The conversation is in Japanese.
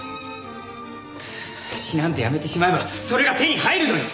詩なんてやめてしまえばそれが手に入るのに！